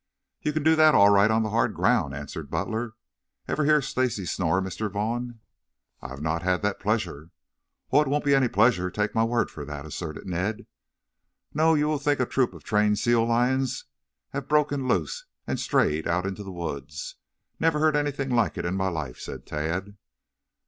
"You can do that all right on the hard ground," answered Butler. "Ever hear Stacy snore, Mr. Vaughn?" "I have not had that pleasure." "Oh, it won't be any pleasure. Take my word for that," asserted Ned. "No, you will think a troop of trained sea lions have broken loose and strayed out in the woods. Never heard anything like it in my life," said Tad.